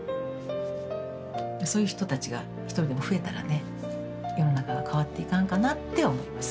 そういう人たちが一人でも増えたらね世の中が変わっていかんかなって思います。